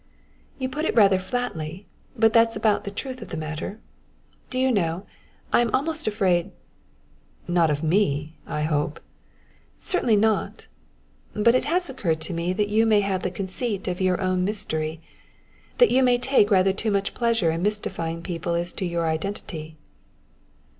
"You put it rather flatly, but that's about the truth of the matter. Do you know, I am almost afraid " "Not of me, I hope " "Certainly not. But it has occurred to me that you may have the conceit of your own mystery, that you may take rather too much pleasure in mystifying people as to your identity."